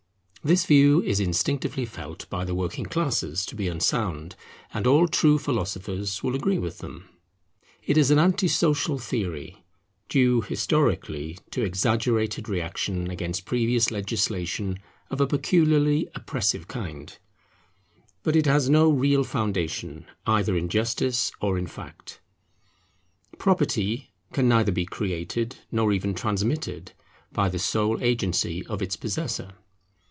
This view is instinctively felt by the working classes to be unsound, and all true philosophers will agree with them. It is an anti social theory, due historically to exaggerated reaction against previous legislation of a peculiarly oppressive kind, but it has no real foundation either in justice or in fact. Property can neither be created, nor even transmitted by the sole agency of its possessor.